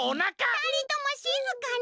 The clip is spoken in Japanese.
ふたりともしずかに！